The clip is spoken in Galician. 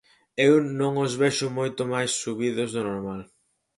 Eu non os vexo moito máis subidos do normal.